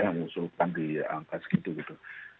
yang mengusulkan di angka segitu gitu